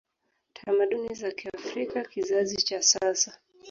tamaduni za kiafrika Kizazi cha sasa